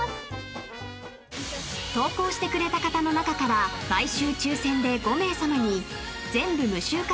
［投稿してくれた方の中から毎週抽選で５名さまに全部無臭化